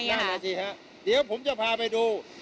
นั่นน่ะสิฮะเดี๋ยวผมจะพาไปดู